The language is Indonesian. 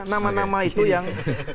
nama nama itu yang